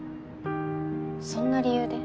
そんな理由で？